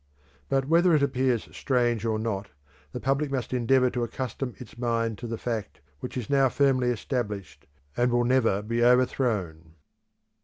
But whether it appears strange or not, the public must endeavour to accustom its mind to the fact which is now firmly, established, and will never be overthrown.